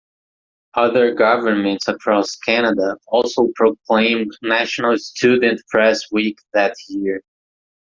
Other governments across Canada also proclaimed National Student Press Week that year.